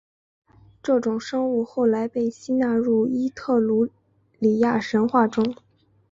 这种生物后来被吸纳入伊特鲁里亚神话中。